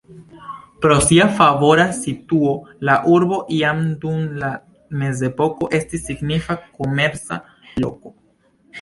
Pro sia favora situo la urbo jam dum la mezepoko estis signifa komerca loko.